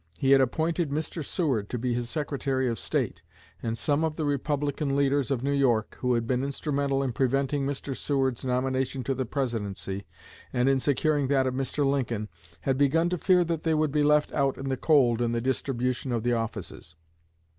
He had appointed Mr. Seward to be his Secretary of State; and some of the Republican leaders of New York, who had been instrumental in preventing Mr. Seward's nomination to the Presidency and in securing that of Mr. Lincoln, had begun to fear that they would be left out in the cold in the distribution of the offices.